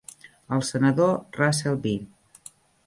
El senador Russell B.